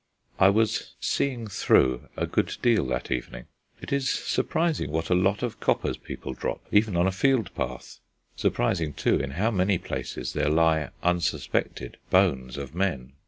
I was "seeing through" a good deal that evening; it is surprising what a lot of coppers people drop, even on a field path; surprising, too, in how many places there lie, unsuspected, bones of men.